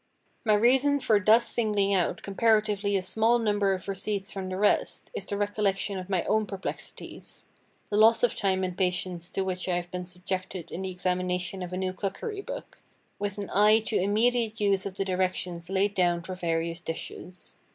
My reason for thus singling out comparatively a small number of receipts from the rest, is the recollection of my own perplexities—the loss of time and patience to which I have been subjected in the examination of a new cookery book, with an eye to immediate use of the directions laid down for various dishes.